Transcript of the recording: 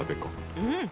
うん。